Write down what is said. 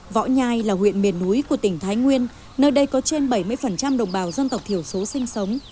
võ nhai là huyện miền núi của tỉnh thái nguyên nơi đây có trên bảy mươi đồng bào dân tộc thiểu số sinh sống